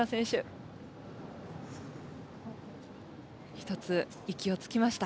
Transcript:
ひとつ息をつきました。